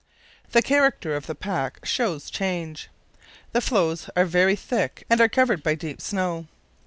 The character of the pack shows change. The floes are very thick and are covered by deep snow.